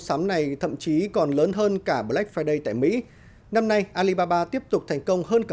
xóm này thậm chí còn lớn hơn cả black friday tại mỹ năm nay alibaba tiếp tục thành công hơn cả